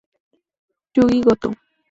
Yuji Goto